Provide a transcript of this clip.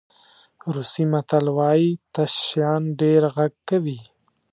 روسي متل وایي تش شیان ډېر غږ کوي.